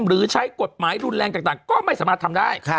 หรือใช้กฎหมายรุนแรงต่างก็ไม่สามารถทำได้